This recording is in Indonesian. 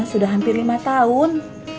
sudah hampir lima tahun